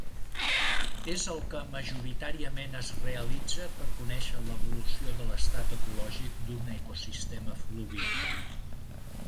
És el que majoritàriament es realitza per conèixer l'evolució de l'estat ecològic d'un ecosistema fluvial.